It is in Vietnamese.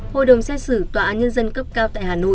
hội đồng xét xử tòa án nhân dân cấp cao tại hà nội